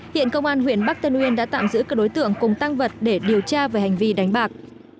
hiện công an huyện bắc tân uyên đã tạm giữ các đối tượng cùng tăng vật để điều tra về hành vi đánh bạc